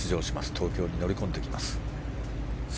東京に乗り込んできます。